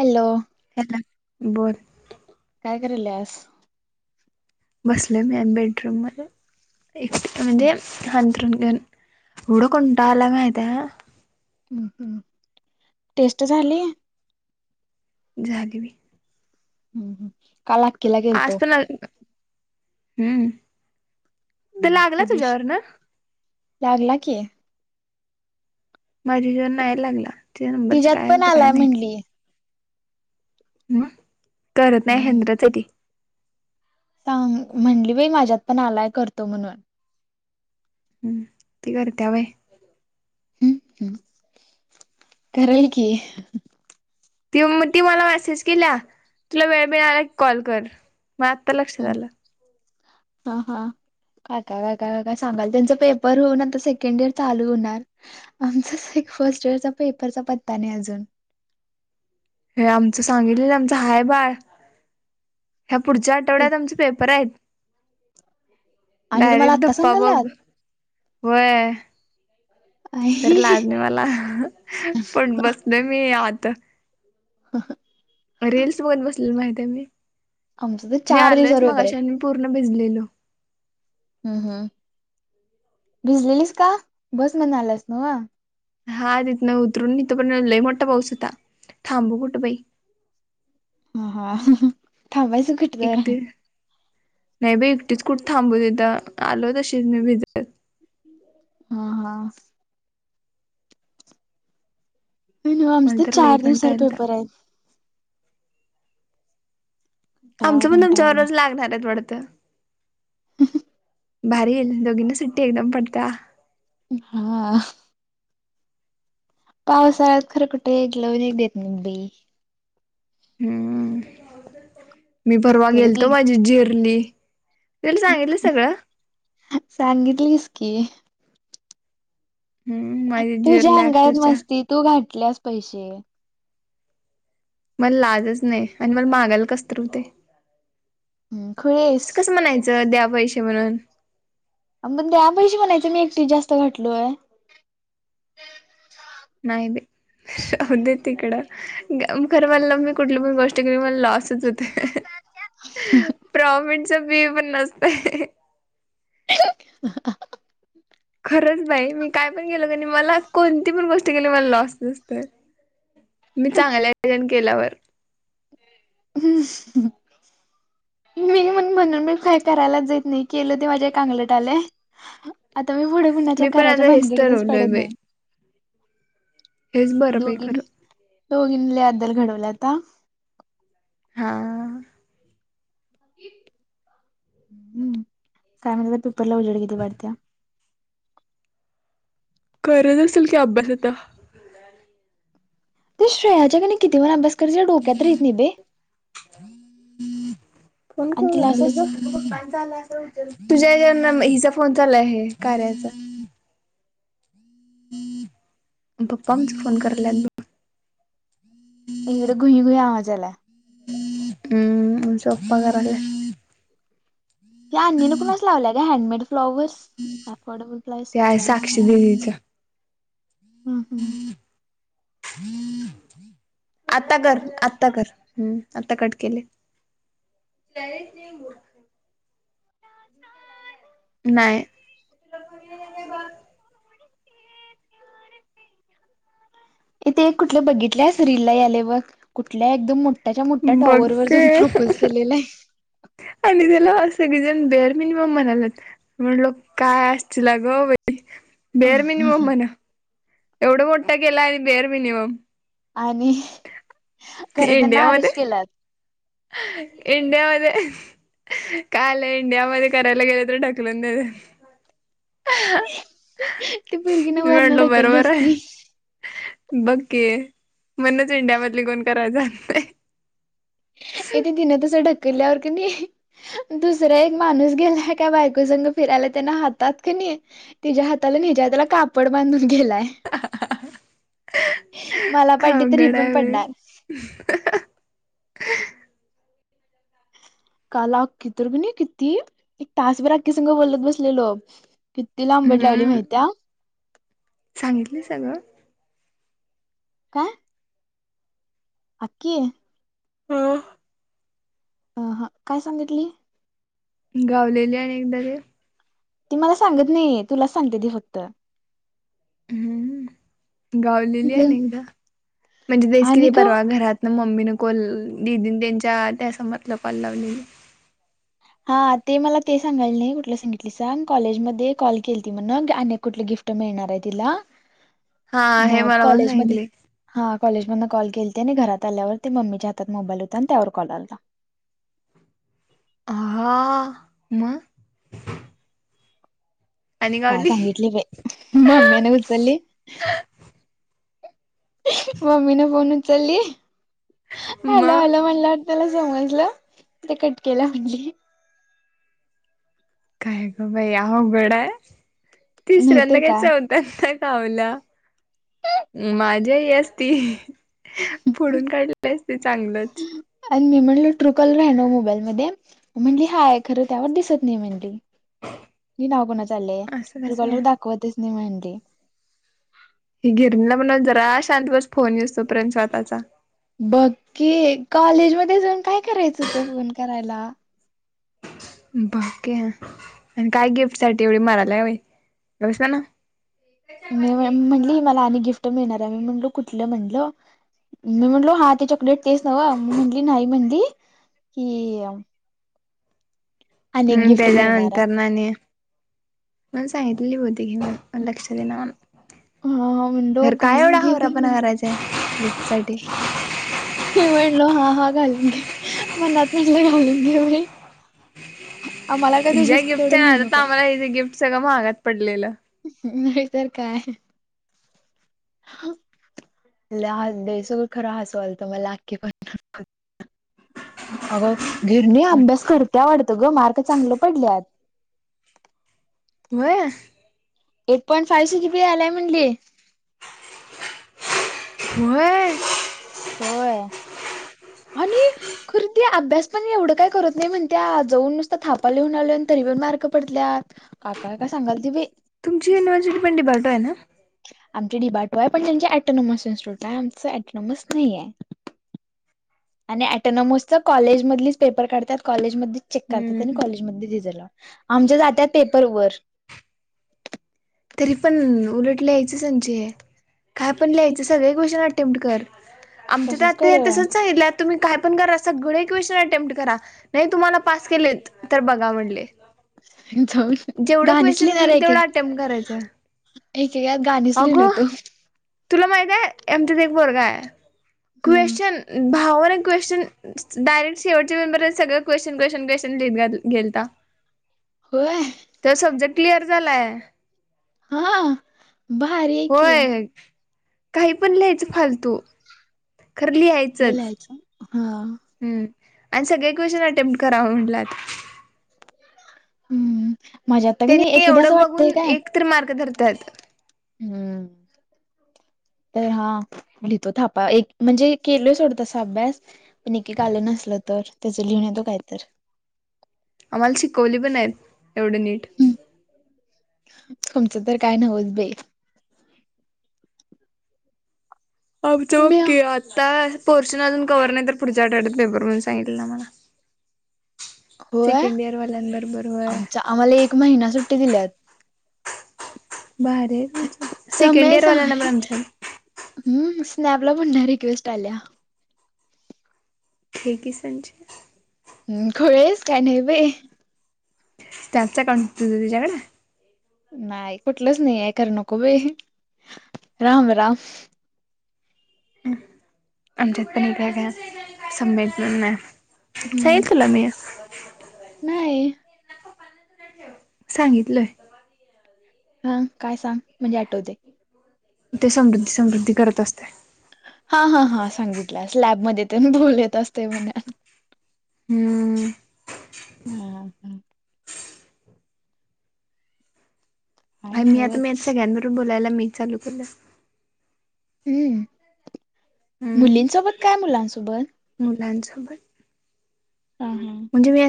Hello. Hello बोल. करल्यास. बसले मी बेडरूम मध्ये, एकट म्हणजे अंथरून घेऊन. एढं कंटाळा आला माहितीया. हम्म हम्म, टेस्ट झालीय. झाले बी. हम्म हम्म, काल अखेला गेलतो. पण हम्म, त लागला ते दिवशी तुझ्यावरन. लागला की. माझ्या जेन नाही लागला, तुझ्या नंबरच तिच्यात काय पण होत काय आलाय नाहीती. म्हणली. ह करत नाही हम्म हेंद्राच ती. सांग म्हणली बाई माझ्यात पण आलाय करतो म्हणून हम्म ते करते बाय हम्म हम्म कराल की. त ती मला मेसेज केल्या, तुला वेळ मिळाला की कॉल कर. म आता लकक्षात आल. ह ह. काका काका का काय सांगाल, त्यांचा पेपर होऊन आता सेकंड इयर चालू होणार, आमचं फर्स्ट इयर चा पेपरचा पत्ता नाही अजून. आमच सांगितलेलं, आमच हाय बाळ, ह्या पुढच्या आठवड्यात आमचे पेपर आहेत. आणि तुम्हाला डायरेक्ट आत्ता धप्पा बघ, सांगाल्यात व्हय. तर आई लाज नाही मला, पण बसल मी आत. ह. रीलल्स बघत बसले, माहितेय मी. आमच तर मी चार आलोयच दिवसावर पेपर आहेत. मगाशन, मी पूर्ण भिजलेलो. हम्म हम्म. भिजलेलीस का? बस मधन आलास नव. हा तिथनं उतरून, हा ईथ पण लय मोठा पाऊस होता. थांबू कुठ बाई. हा हा थांबायचं कुठ तर. एकटे नाही ब एकटीच कुठ थांबू तथं आलो तशीच मी भिजत हम हा नमस मला तर लई चार दिवसावर कंटाळा आलता पेपर आहेत कंटाळा आमचं पण कंटाळा तुमच्यावर रोज लागणार आहेत वडत ह भारी येई दोघींना सुट्टी एकदम पडता हा पावसाळ्यात खरं कुठे एक लव देत मुबई हम्म मी पररवा तरी गेलतो बी माझी झेरली सांगितलीस की हम्म माझी तुझ्या जिरल्या अंगात अक्षरशः मस्ती तू घातल्यास पैसे मला लाजच नाही आणि मला मागायला कसत हो ते हम्म खुळेस असं कसं म्हणायचं द्या पैसेे म्हणून बण त्या अ पैशी म्हणायचं मी एकटी जास्त घटलोय नाहीय ब राह दे तिकडं खरं मला मी कुठली पण गोष्ट केली मला लॉसच होते प्रॉमणच बी पण नसतय [unintelligible] खरंच बाई मी काय पण गेलो क मला कोणती पण गोष्ट केली मला लॉस दिसतय [unintelligible] मी चांगल्यान केल्यावर हम मी मण म्हणून मी काय करायलाच जाेत नाही की एल ते माझ्या कांगलंट आलं आता मी पुढ पुण्याच्या मी पण घराच्या आता हेच भानगडीतच ठरवलंय पडत बाई नाही हेच बरं बाई दोघीनी खरं. दोघी अद्दल घडवलं आता हा हम् काय म्हण पेपरला उजड केली वाढत्या कररत असेल कि अभ्यास आता ते श्रेयाच्या क किती वण अभ्यास करायचा डोक्यात राहित नाही बे फोन आणि करू तिला घटले असंच ग तुझ्या हिचा फोन चाला आहे कार्याचा पप्पाचा फोन करलाबग, एकडे घुई घु आवाजला, हम् पापा कराला, या अ् न कोणाच लावलाय का हँडमेड फ्लॉवर्स फर्डेबल ते आहे साक्षी दिदीचा. हम्म हम् आता कर आत्ता कर हम् आता कट केले नाही इथ कुठल्या बघितल्या अस रीलला याले व कुठल्या एकदम मोठ मोच्या मोठ्या टॉवरर बघ जा प्रपोज केलेला आहे लं असगी जण बेर मिनिमम म्हणाला म लोक काय असतील ला ग बई बेअर आहे मिनिमम म्हणा एवढा मोठा केला आणि बेअर मिनिमम आणि खरं त्यांना आरश केला एड मत काल इंडियामध्येध्ये करायला गेलं तर ढकलून द ती पोरगीन मी वरनं म्हणलं ढकलली बरोबर आहे. असती. बघ की म्हणुनच इंडियामधले कोण कराय जात नाय ए ते तीन तसं ढक ल्यावर कनी दुसरा एक माणूस गेलाय का बायकोस फिरायला त्यान हातात कनी तिच्या हाताला निजा आहे त्याला कापड बांधून गेलाय. [unintelligible] तर ही अवघड पण आहे पडणार. बाई, [unintelligible] काल अक्की तर कीनी किती, एक तासभर अक्की संग बोलत बसलेलो. किती लांबड लावली माहित्या, सांगितली सगळं, काय? अक्की, हम, अ हा काय सांगितली, गावलेली आणि एकदा ते, ती मला सांगत नाहीे, तुलाच सांगते ती फक्त, हम्म. गावलेली आणि एकदा, म्हणजे तेच कि आणि ते का परवा घरातंन मम्मीन, कोल दिदीनं त्यांच्या, त्या समर्थला काॅल लावलेली. हा ते मला ते सांगायला नाही कुठलं सांगितली सांग, कॉलेजमध्ये कॉल केलती म्हणं आणि कुठ, ल गिफ्ट मिळणार आहे तीला, हा हे मग मला पण काॅलेजमध्ये सांगितले हा काॅलेजमध न कॉल केलती आणि घरात आल्यावर, ते मम्मीच्या हातात मोबाईल होता आणि त्यावर कॉल आलता. [inaudible] आहा म, [unintelligible] काय सांगितली बाई, मम्याने उचलली. मम्मीनं फोन उचलली हॅलो, मग हॅलो म्हणल्यावर, त्याला समजलं ते कट केला म्हणली. काय ग बाई अवघड आहे, तिसऱ्यांदा काय चौथ्यांदा, गावल्या, माझी आई असती, फोडून काढली असती चांगलंच, ट्रु काॅलर आहे नव्हं मोबाईल मध्ये, म्हणली हाय खरं त्यावर दिसत नाही म्हणली. हे नाव कोणाच आलंय असं ट्रू कसं काय कॉलर, दाखवतंच नाही म्हंडली. त्या [unintelligible] म्हणाव जरा शांत बस फोन यूसतोपर्यंत स्वतःचा, बघ की कॉलेज मध्ये जाऊन काय करायचं होत, फोन करायला. ब की आणि काय गिफ्ट साठी एवढी [unintelligible] बाई, ग बस म्हणावं. मी म्हणली मला आणि गिफ्ट मिळणार आहे, मी म्हणलो कुठलं? म्हणलो मी म्हणलो, हा ते चॉकलेट तेच नव्हं, म म्हटली नाही म्हणली कि हम्म, मिळणार आहे तेज्यानंतरन आणि मला सांगितलेली बहुतेक हिनं पण लक्षात येना. हा म्हणलो खरं काय एवढा हावरापणा करायचाय. गिफ्ट साठी हे म्हणलो हा हा. [unintelligible] मनात म्हटलं [unintelligible] आम्हाला काय हीज्या दोघीस गिफ्टच्या तेवढं नेऊ नादात ना, नको आम्हाला हे गिफ्ट सगळं महागात पडलेलं. नाही तरं काय. [unintelligible] लय हा दे स खरं हसवालत, मला आक्की पण, अगं [unintelligible] अभ्यास करत्या वाटतं गं मार्क चांगलं पडल्यात. [inaudible] व्हय, eight point five G B आलाय म्हटली. व्हय होय. आणि खर ती म्हणतंय, अभ्यास पण एवढं काय करत नाही, म्हणत्या जाऊन नुसत थापा लिहून आलोय. तरी पण मार्क पडतल्यात, काय काय काय सांगालती बाई, तुमची [unintelligible] आमची डिबाटो आहे पण त्यांचे अटोनॉमस इन्स्टिटूट आहे, आमचं अटोनॉमस नाही आहे, आणि ऑटोनॉमसच कॉलेजमधेच पेपर काडतात कॉलेज, चेक करतात, आणि हम्म कॉलेजमध्येच रिझल्ट लावतात, आमचं जातात पेपर वर तरी पण उलट लिहायचं संचे, काय पण लिहायचं किती सगळे क्वेश्चन अत्यंत कर आमच तसंच तच करायला सांगितले त [unintelligible] तुम्ही काय पण करा, सगळे क्वेशन अटेम्ट करा. नाही तुम्हाला पास केलेत तर बघा म्हणले जाऊन, जेवढं गाणीच क्वेश्चन लिणार होईल आहे तेवढं की. अटेम्प्ट करायचं एकेकत, गाणीच लिहुन अगो येतो. तुला माहित आहे, आमच्यात एक पोरगा आहे. हम्म क्वेशन [inaudible] क्वेश्चन डायरेक्ट शेवटच्या पेपर वर, सगळं क्वेश्चन क्वेश्चन क्वेश्चन लिहत गेलता. होय. तर सब्जेक्ट क्लिअर झालं. हा, भारी आहे की. होय काही पण लिहायचं, फालतू खर इकडे लिहायचंच. लिहायचं. हा [unintelligible] आणि सगळे क्वेश्चन अटेम्प्ट कराव म्हणल्यात. हम्म, माझ्यात आणि एवढं बघून, एक तर मार्क धरतात. हम्म. तर हा, लिहितो थापा एक म्हणजे केलोय सोडं तसा अभ्यास पण एक, एक, आलं नसल तर, त्याचं लिहूण येतो काय तर. आम्हाला शिकवली पण नाहीत, एवढं नीट तुमचं तर काय, नव्हेच बाई. आमचं बघ म्या की, आता पोर्शन अजून कवर नाही तर, पुढच्या आठवड्यात पेपर म्हणून सांगितलीत आम्हाला. होय, सेकंड इयर वाल्यांबरोबर होय आमचा आम्हाला एक महिना सुट्टी दिल्यात. भारी आहे बघ तुमचं, सेकंड ईयर वाल्यांनापण आमच्या आहे. हम् स्नॅपला पण डायरेक्ट, रिक्वेस्ट आल्या. हे किसानची खुळे आहेस काय नाही बाई. त्याचा काम काय तुझ्याकडे [unintelligible] नाही कुठलंच नाही आहे खरं नको बाई राम राम आमच्यात पण काय एक सम्यक म्हणून आहे हम्म नाही. सांगितलंय. हा काय सांग, म्हणजे आठवतंय. ते समृद्धी, समृद्धी, करत असतय. हा, हा, हां सांगितलं लॅबमध्ये, ते बोलत असते म्हणे हम्म हम्म, हम्म, काय नाही मी आता मेन, उगच मीच बोलायला मी चालू केलं. हम्म हम्म मुलींसोबत काय, मुलांसोबत सोबत [unintelligible] हा, हा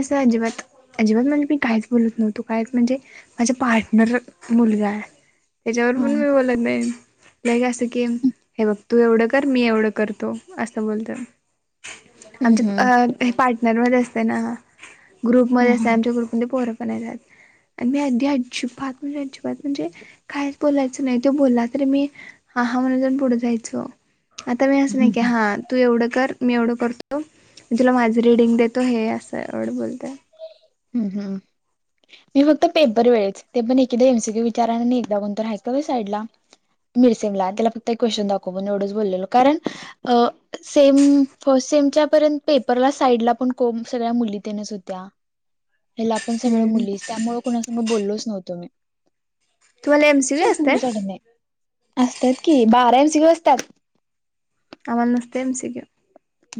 अजिबात, अजिबात म्हणे मी काहीच बोलत नव्हतो. तू काय म्हणजे, माझा पार्टनर मुलगा आहे. त्याच्यावर हा पण मी बोलत नाही. ल का असं की, हे बघ तू एवढं कर, मी एवढं करतो असं बोलत. हम्म आमच्या हम्म अ हे पार्टनरमध्येध्ये असते ना. हा ग्रुपमध्ये असले, हा. आमच्या ग्रुपमध्ये पोर पण येत आता. आणि मी अधदी अजिबात म्हणजे अजिबात म्हणजे काहीच बोलायचं नाही, तो बोलला त मी महामनोरंजन पुढं जायचं आता मी असं नाही की हम्म हा तू एवढं कर मी एवढं करतो तुला माझ रिडिंग देत तो हे असं ड बोलत हम् हम् मी फक्त पेपर वेळेच ते पण एकदा एमसीक्यू विचारा एकदा कोणत आहेऐ कर साईडला मिरसेमला त्याला फक्त एक क्वेश्चन दाखवून एवढंच बोललेल कारण सेम फस्ट सेमच्यापर्यंत पेपरला साईड ला पण कोम सगळ्या मुलीनच होत ह्याला पण सगळ हम्म मुलीस त्यामुळे कणास बोललोच नव्हतो मी तुम्हाला एमसीक्यू असतय असतात की बारा जतात आनस्तेमसिक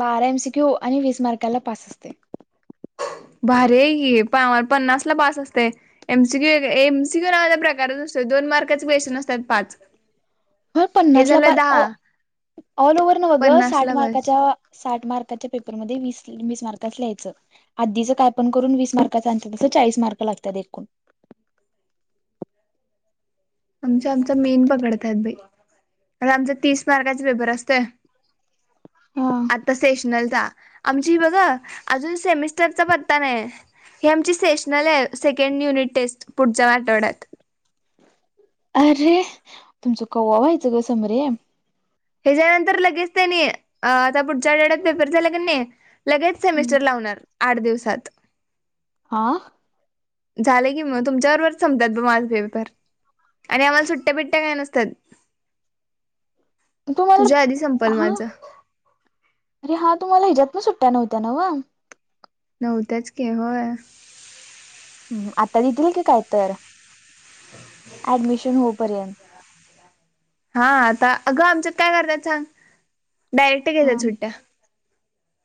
बारा एमसीक्यू आणि वीज मार्काला पास असते भर पन्नास ला पास असते एमसी क्यू एमसी क्यू नावा प्रकारच असत दोन मार्काचे क्वेश्चन असतात पाच हो हे पन्नासला झालं दहा ऑल ओव्हर न ब ग पन्नास साठ ला बस मार्काच्या साठ मार् ून म [inaudible] [inaudible] आमच्या आमचा मेन पकडत आहेत बाई आता आमच्या तीस मार्काचे पेपर असते आता सेशनल जा आमची बघा अजून सेमिस्टरचा पत्ता नाय हे आमची सेशनल आहे सेकंड युनिट टेस्ट पुढच्या आठवड्यात अरे तुमचं कौवा व्हायचं ग समरे ह्याच्या नंतर लगेच ते नाही आता पुढच्या ळ्यात पेपर झाला का नाही लगेच सेमिस्टर लावणार आठ दिवसात आा झालं की मग तुमच्यावरबरच संपतात ब माझपेपर आणि आम्हाला सुट्ट्या बिट्ट्या काय नसतात [inaudible] तुझ्या आधी संपल हा माझं अरे हा तुम्हाला हिच्यातन सुट्ट्या नव्हत्या ना वा नव्हतच के होय ह् आता देतील की काय तर ऍडमिशन होपर्यंत हा आता अगं आमच्यात काय करतायात सांग डायरेक्ट घ्याता सुट्ट्या